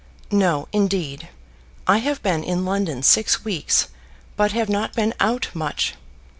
"No, indeed. I have been in London six weeks, but have not been out much.